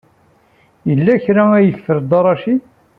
Yella kra i yeffer Dda Racid.